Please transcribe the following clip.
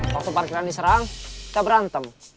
waktu parkiran diserang kita berantem